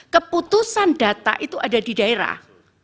keputusan data itu ada di daerah